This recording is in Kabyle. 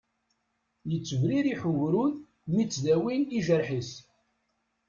Yettebririḥ ugrud mi ttdawin iǧerḥ-is.